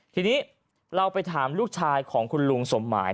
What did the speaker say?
ทีนี้เราไปถามลูกชายของคุณลุงสมหมาย